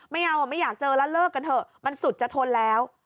ไม่เอาไม่อยากเจอแล้วเลิกกันเถอะมันสุดจะทนแล้ว